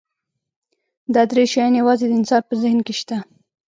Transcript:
دا درې شیان یواځې د انسان په ذهن کې شته.